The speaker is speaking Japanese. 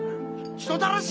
「人たらし！」。